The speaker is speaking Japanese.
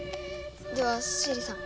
ではシエリさん